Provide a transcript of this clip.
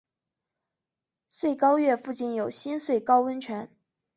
穗高岳附近有新穗高温泉。